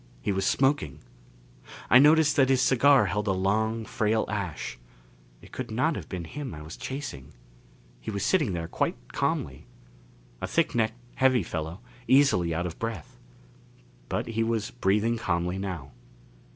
He was smoking. I noticed that his cigar held a long frail ash. It could not have been him I was chasing. He was sitting there quite calmly. A thick necked, heavy fellow, easily out of breath. But he was breathing calmly now.